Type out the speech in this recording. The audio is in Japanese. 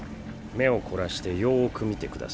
目を凝らしてよく見てください。